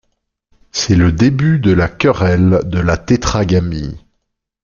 C'est le début de la querelle de la Tétragamie.